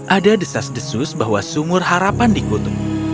ada desas desus bahwa sumur harapan dikutuk